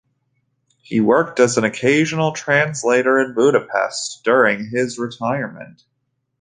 He worked as an occasional translator in Budapest during his retirement.